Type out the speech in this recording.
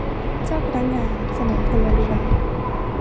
เจ้าพนักงานสนมพลเรือน